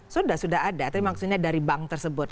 sudah sudah ada tapi maksudnya dari bank tersebut